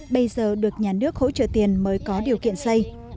bây giờ được nhà nước hỗ trợ tiền mới có điều kiện xây